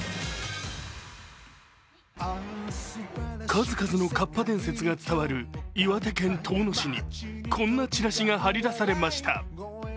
数々のかっぱ伝説が伝わる岩手県遠野市にこんなチラシが貼り出されました。